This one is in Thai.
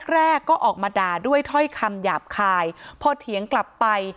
แรกก็ออกมาด่าด้วยถ้อยคำหยาบคายพอเถียงกลับไป